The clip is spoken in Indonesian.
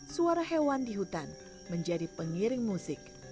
suara hewan di hutan menjadi pengiring musik